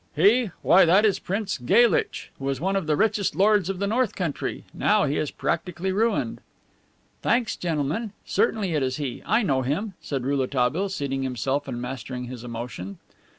"He? Why, that is Prince Galitch, who was one of the richest lords of the North Country. Now he is practically ruined." "Thanks, gentlemen; certainly it is he. I know him," said Rouletabille, seating himself and mastering his emotion.